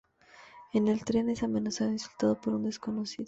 En el tren, es amenazado e insultado por un desconocido.